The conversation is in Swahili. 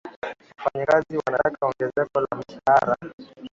wafanyikazi wanataka ongezeko la mshahara